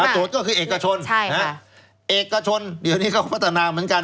โจทย์ก็คือเอกชนเอกชนเดี๋ยวนี้เขาพัฒนาเหมือนกัน